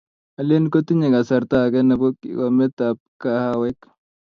alen to tinye kasarta age nebo kikomet ab kahawek